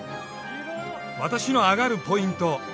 私のアガるポイント。